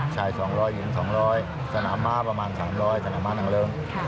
๒๐๐หญิง๒๐๐สนามม้าประมาณ๓๐๐สนามม้านางเลิ้ง